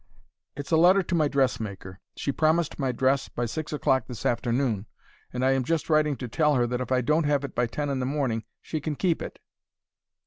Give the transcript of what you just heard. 'It's a letter to my dressmaker; she promised my dress by six o'clock this afternoon, and I am just writing to tell her that if I don't have it by ten in the morning she can keep it.'